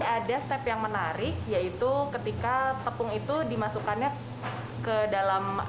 ada step yang menarik yaitu ketika tepung itu dimasukkannya ke dalam